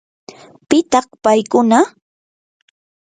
¿pitaq paykuna?